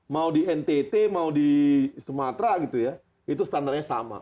mau di ntt mau di sumatera gitu ya itu standarnya sama